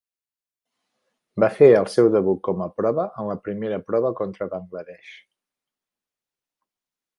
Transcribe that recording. Va fer el seu debut com a prova en la primera prova contra Bangladesh.